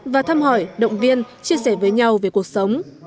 và thăm hỏi động viên chia sẻ với nhau về quốc gia